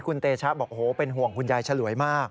คุณเตชะบอกโอ้โหเป็นห่วงคุณยายฉลวยมาก